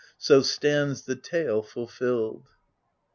So stands the tale fulfilled.